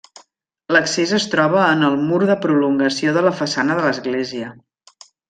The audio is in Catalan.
L'accés es troba en el mur de prolongació de la façana de l'església.